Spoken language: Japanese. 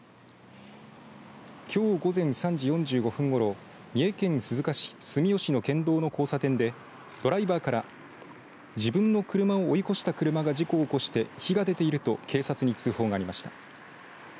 きょう午前３時４５分ごろ三重県鈴鹿市住吉の県道交差点でドライバーから自分の車を追い越した車が事故を起こして火が出ていると警察に通報がありました。